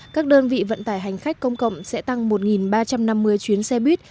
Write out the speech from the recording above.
các đơn vị vận tải hành khách công cộng sẽ tăng một ba trăm năm mươi chuyến xe buýt